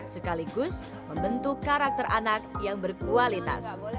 sekaligus membentuk karakter anak yang berkualitas